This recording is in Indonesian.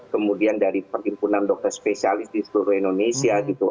kemudian dari perhimpunan dokter spesialis di seluruh indonesia gitu